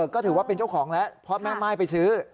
ก็ถือว่าเป็นเจ้าของแล้วเพราะแม่ม่ายไปซื้อ